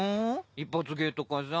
一発芸とかさ。